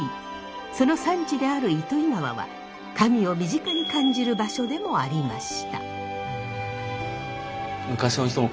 その産地である糸魚川は神を身近に感じる場所でもありました。